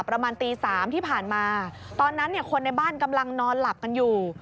ประมาณตี๓ที่ผ่านมาตอนนั้นเนี่ยคนในบ้านกำลังนอนหลับกันอยู่